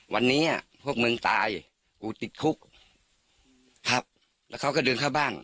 วันนี้พวกมึงตายกูติดคุกครับแล้วเขาก็เดินเข้าบ้าน